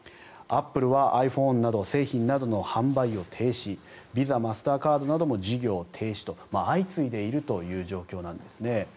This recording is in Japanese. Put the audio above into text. アップルはｉＰｈｏｎｅなど製品などの販売を停止Ｖｉｓａ、マスターカードなども事業停止と相次いでいるという状況なんですね。